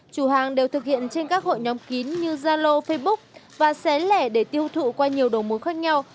chủ hàng đều thực hiện trên các hội nhóm kín như zalo facebook và xé lẻ để tiêu thụ qua nhiều đồ mối khác nhau